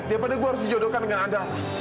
daripada gue harus dijodohkan dengan anda